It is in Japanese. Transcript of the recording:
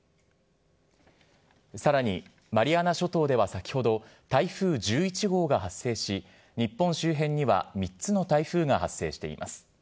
さらに、マリアナ諸島では先ほど、台風１１号が発生し、日本周辺には３つの台風が発生しています。